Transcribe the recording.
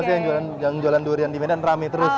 itu yang jualan durian di medan rame terus